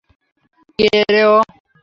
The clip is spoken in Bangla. কে রে ও?